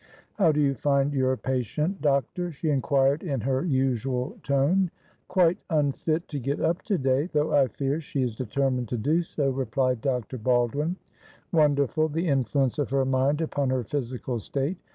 "How do you find your patient, doctor?" she inquired, in her usual tone. "Quite unfit to get up to day, though I fear she is determined to do so," replied Dr. Baldwin. "Wonderful, the influence of her mind upon her physical state.